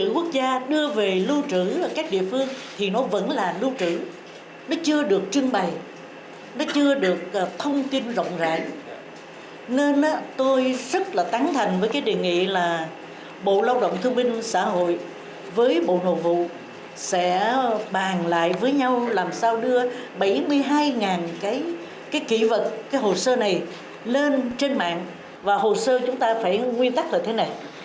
lưu trữ quốc gia đưa về lưu trữ các địa phương thì nó vẫn là lưu trữ nó chưa được trưng bày nó chưa được thông tin rộng rãi nên tôi rất là tăng thành với cái đề nghị là bộ lao động thương minh xã hội với bộ nội vụ sẽ bàn lại với nhau làm sao đưa bảy mươi hai cái kỳ vật cái hồ sơ này lên trên mạng và hồ sơ chúng ta phải nguyên tắc là thế này